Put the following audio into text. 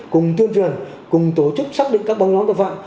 cùng tuyên truyền cùng tổ chức xác định các bóng nhóm tội phạm